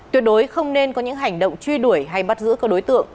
tuyệt đối không nên có những hành động truy đuổi hay bắt giữ các đối tượng